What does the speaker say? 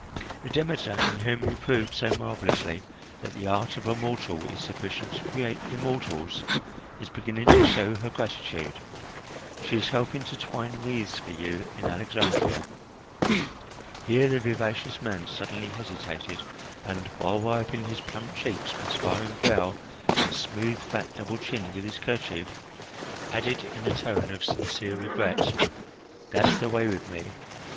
The Demeter, in whom you proved so marvellously that the art of a mortal is sufficient to create immortals, is beginning to show her gratitude. She is helping to twine wreaths for you in Alexandria." Here the vivacious man suddenly hesitated and, while wiping his plump cheeks, perspiring brow, and smooth, fat double chin with his kerchief, added in a tone of sincere regret: "That's the way with me!